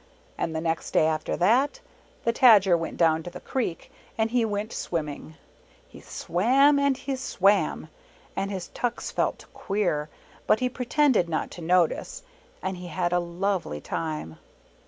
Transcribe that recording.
And the next day after that the Tajer went down to the creek and he went swim ming. He swam and he swam, and his tucks felt queer, but he pretended not to notice, and he had a lovely time.